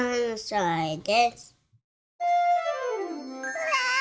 うわ！